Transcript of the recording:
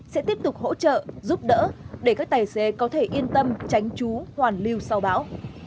sẽ tiếp tục hỗ trợ giúp đỡ để các tài xế có thể yên tâm tránh chú hoàn lưu sau bão